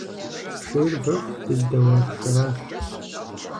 Шейр вэху, дызэдэуэршэращ.